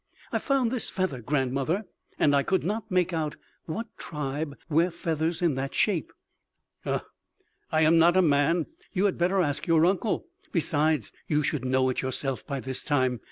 "I found this feather, grandmother, and I could not make out what tribe wear feathers in that shape." "Ugh, I am not a man; you had better ask your uncle. Besides, you should know it yourself by this time.